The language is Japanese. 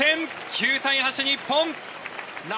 ９対８、日本。